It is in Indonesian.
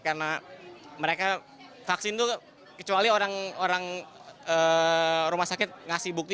karena mereka vaksin itu kecuali orang rumah sakit